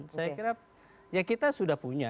saya kira ya kita sudah punya